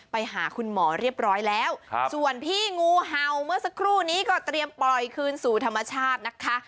ไปหาคุณหมอเรียบร้อยแล้วส่วนพี่งูเห่าเมื่อสักครู่นี้ก็เตรียมปล่อยคืนสู่ธรรมชาตินะคะ